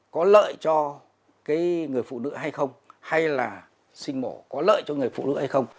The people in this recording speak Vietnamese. có lợi cho cái người phụ nữ hay không hay là sinh mổ có lợi cho người phụ nữ hay không